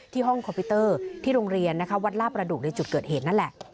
ห้องคอมพิวเตอร์ที่โรงเรียนนะคะวัดลาประดุกในจุดเกิดเหตุนั่นแหละ